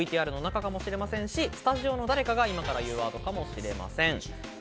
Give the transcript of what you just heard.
ＶＴＲの中かもしれませんし、スタジオの誰かが今から言うワードかもしれません。